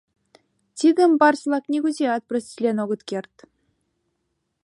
Тидым барс-влак нигузеат проститлен огыт керт.